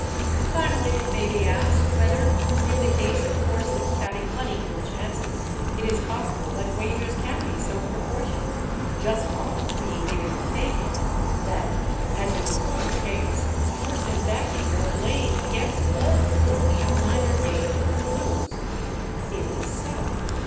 Finally, it may be asked whether, in the case of horses having unequal chances, it is possible that wagers can be so proportioned (just odds being given and taken), that, as in the former case, a person backing or laying against all the four shall neither gain nor lose. It is so.